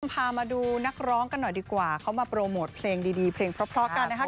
พามาดูนักร้องกันหน่อยดีกว่าเขามาโปรโมทเพลงดีเพลงเพราะกันนะครับ